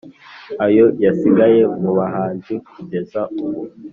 ayo yasigaye mu bahinzi Kugeza ubu